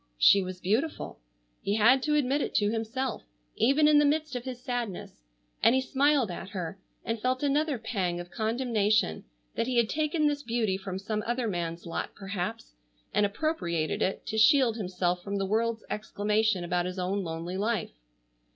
She was beautiful. He had to admit it to himself, even in the midst of his sadness, and he smiled at her, and felt another pang of condemnation that he had taken this beauty from some other man's lot perhaps, and appropriated it to shield himself from the world's exclamation about his own lonely life.